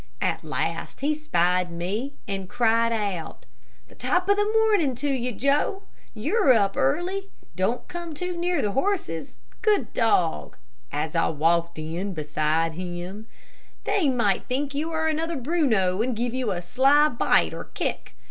At last he spied me, and cried out, "The top of the morning to you, Joe! You are up early. Don't come too near the horses, good dog," as I walked in beside him; "they might think you are another Bruno, and give you a sly bite or kick.